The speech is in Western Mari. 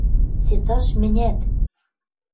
– Цецаш мӹнят...